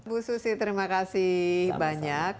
bu susi terima kasih banyak